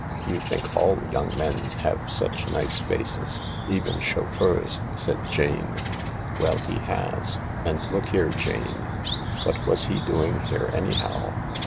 " You think all young men have such nice faces — even chauffeurs," said Jane. "Well, he has. And look here, Jane. What was he doing here, anyhow